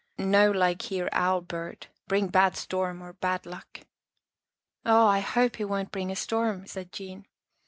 No like hear owl bird. Bring bad storm or bad luck." " Oh, I hope he won't bring a storm," said Jean.